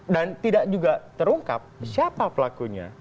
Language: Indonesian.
dan tidak juga terungkap siapa pelakunya